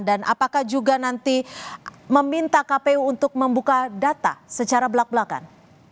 dan apakah juga nanti meminta kpu untuk membuka data secara belak belakan